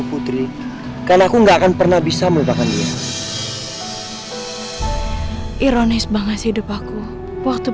putri karena aku enggak akan pernah bisa melupakan dia ironis banget hidup aku waktu